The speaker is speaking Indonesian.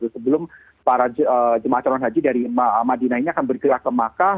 sebelum para jemaah calon haji dari madinah ini akan bergerak ke makkah